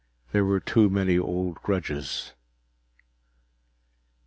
There were too many old grudges.